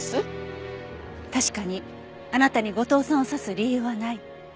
確かにあなたに後藤さんを刺す理由はない。